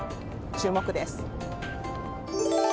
注目です。